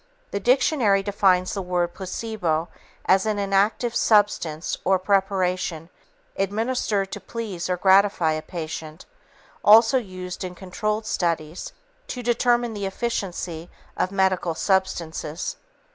The dictionary defines the word placebo as, "an inactive substance or preparation, administered to please or gratify a patient, also used in controlled studies to determine the efficiency of medicinal substances."